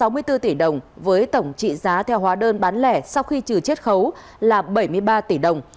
đồng thời tổ chức tiêu thụ tổng số sáu ba triệu quyền sách giả tổng giá trị giả theo hóa đồng bán lẻ sau khi trừ chết khấu là bảy mươi ba tỷ đồng